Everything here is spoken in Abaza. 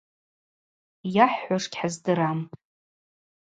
Йахӏхӏвуаш гьхӏыздырам.